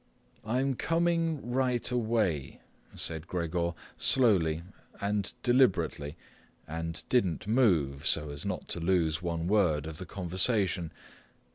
"I'm coming right away," said Gregor slowly and deliberately and didn't move, so as not to lose one word of the conversation.